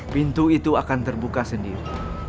pintu itu akan terbuka sendiri